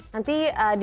nanti di jakarta itu di